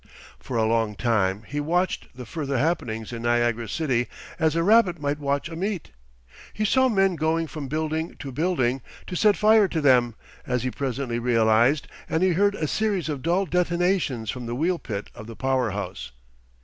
For a long time he watched the further happenings in Niagara city as a rabbit might watch a meet. He saw men going from building to building, to set fire to them, as he presently realised, and he heard a series of dull detonations from the wheel pit of the power house.